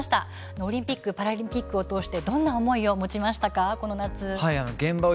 オリンピック・パラリンピックを通じてどんな思いを持ちましたか。